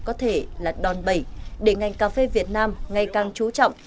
đạo lực mới của eu có thể là đòn bẩy để ngành cà phê việt nam ngày càng trú trọng